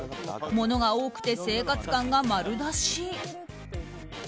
物が多くて生活感が丸出し。